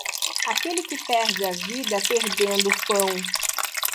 Aquele que perde a vida perdendo o pão.